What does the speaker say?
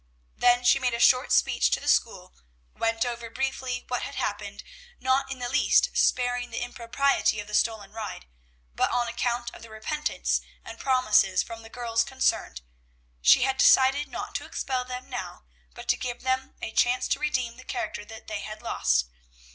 Then she made a short speech to the school, went over briefly what had happened, not in the least sparing the impropriety of the stolen ride, but, on account of the repentance and promises from the girls concerned, she had decided not to expel them now, but to give them a chance to redeem the character they had lost.